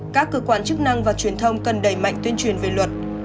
các cơ quan chức năng và truyền thông cần đẩy mạnh tuyên truyền về luật